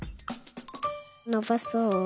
のばそう。